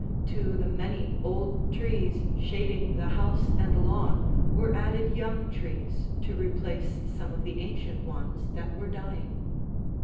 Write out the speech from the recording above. To the many old trees shading the house and lawn were added young trees to replace some of the ancient ones that were dying.